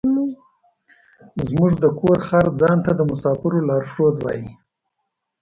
زموږ د کور خر ځان ته د مسافرو لارښود وايي.